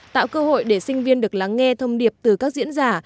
tạo cơ hội để sinh viên được lắng nghe thông điệp từ các diễn giả